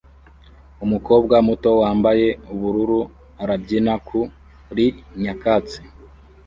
Umukobwa muto wambaye ubururu arabyina kuri nyakatsi